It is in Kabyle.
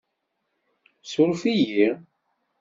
Surf-iyi?